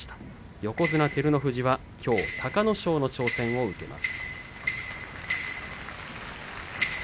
横綱照ノ富士はきょう隆の勝の挑戦を受けます。